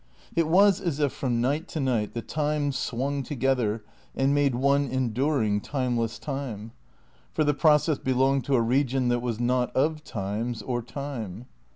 It was as if from night to night the times swung together and made one enduring timeless time. For the process belonged to a region that was not of times or time.